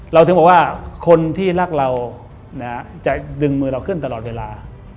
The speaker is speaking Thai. ถึงบอกว่าคนที่รักเราจะดึงมือเราขึ้นตลอดเวลา